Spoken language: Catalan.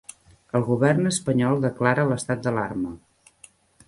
El govern espanyol declara l'estat d'alarma.